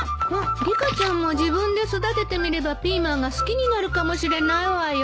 リカちゃんも自分で育ててみればピーマンが好きになるかもしれないわよ。